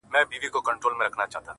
• په اوله کي ترخه وروسته خواږه وي,